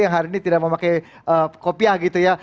yang hari ini tidak memakai kopiah gitu ya